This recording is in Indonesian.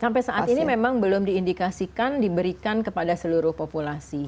sampai saat ini memang belum diindikasikan diberikan kepada seluruh populasi